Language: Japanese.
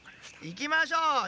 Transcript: いきましょう。